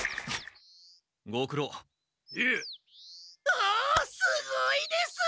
おおすごいです！